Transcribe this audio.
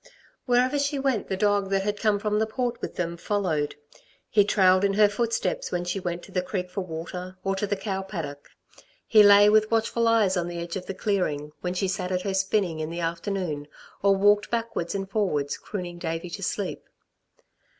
Wherever she went the dog that had come from the Port with them, followed. He trailed in her footsteps when she went to the creek for water, or to the cow paddock. He lay with watchful eyes on the edge of the clearing, when she sat at her spinning in the afternoon, or walked backwards and forwards crooning Davey to sleep.